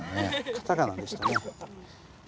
カタカナですね。